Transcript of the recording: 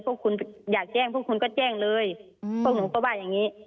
พวกคุณอยากแจ้งพวกคุณก็แจ้งเลยพวกหนูก็ว่าอย่างนี้